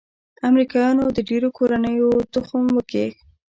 امریکايانو د ډېرو کورنيو تخم وکيښ.